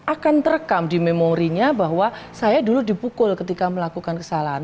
akan terekam di memorinya bahwa saya dulu dipukul ketika melakukan kesalahan